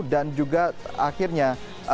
dan juga akhirnya